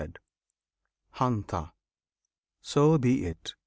Hanta! So be it!